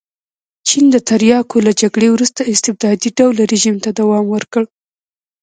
چین د تریاکو له جګړې وروسته استبدادي ډوله رژیم ته دوام ورکړ.